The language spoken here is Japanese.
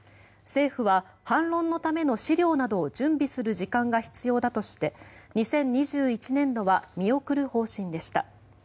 政府は反論のための資料などを準備する時間が必要だとして、２０２１年度は見送る方針でした。